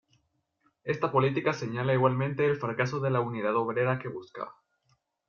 Esta política señala igualmente el fracaso de la unidad obrera que buscaba.